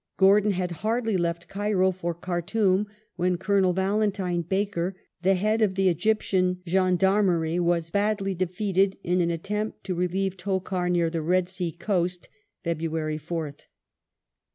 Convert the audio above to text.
Gordon had hardly left Cairo for Khartoum when Colonel Valentine Baker, the head of the Egyptian Gendarmerie, was badly defeated in an attempt to relieve Tokar, near the Red Sea coast (Feb. 4th).